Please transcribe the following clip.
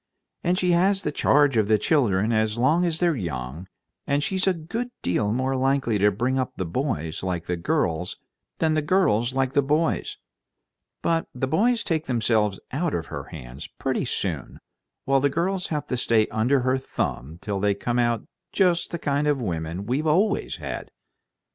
"And she has the charge of the children as long as they're young, and she's a good deal more likely to bring up the boys like girls than the girls like boys. But the boys take themselves out of her hands pretty soon, while the girls have to stay under her thumb till they come out just the kind of women we've always had."